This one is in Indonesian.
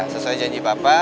sesuai janji papa